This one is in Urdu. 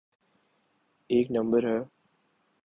ایک نمبر ہے؟